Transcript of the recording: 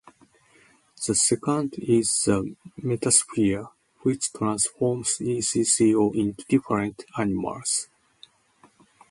The second is the "Metasphere", which transforms Ecco into different animals.